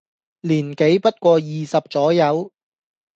年紀不過二十左右，